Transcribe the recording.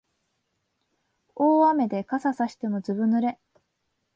大雨で傘さしてもずぶ濡れ